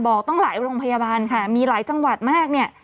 บอกว่าต้องไหลรงพยาบาลมีหลายจังหวัดมาก